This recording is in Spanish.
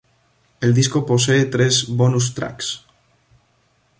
El disco posee tres "bonus tracks".